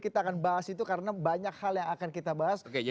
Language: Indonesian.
kita akan bahas itu karena banyak hal yang akan kita bahas